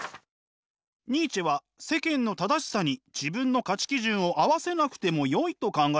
ニーチェは世間の正しさに自分の価値基準を合わせなくてもよいと考えました。